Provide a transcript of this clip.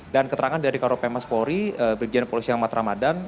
dan keterangan dari karopemas polri berikian polisi yang matramadan